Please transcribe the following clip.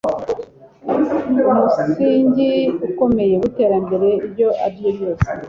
umusingi ukomeye w'iterambere iryo ariryo ryose